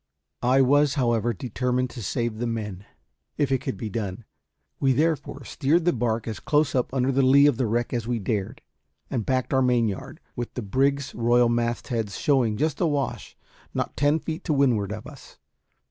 I was, however, determined to save the men, if it could be done; we therefore steered the barque as close up under the lee of the wreck as we dared, and backed our mainyard, with the brig's royal mastheads showing just awash not ten feet to windward of us.